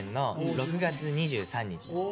６月２３日ですよ。